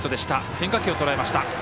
変化球をとらえました。